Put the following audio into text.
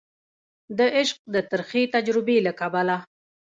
د عشق د ترخې تجربي له کبله